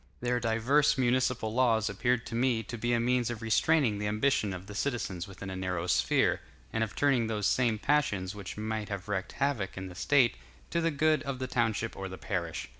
Their divers municipal laws appeared to me to be a means of restraining the ambition of the citizens within a narrow sphere, and of turning those same passions which might have worked havoc in the State, to the good of the township or the parish.